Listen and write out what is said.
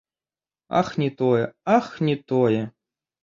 Ах, не тое, ах, не тое!